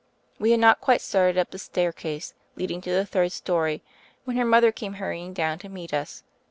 We had not quite started up the staircase leading to the third story, when her mother came hurrying down to meet us.